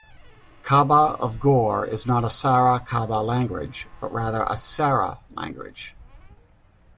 Kaba of Gore is not a Sara Kaba language, but rather a Sara language.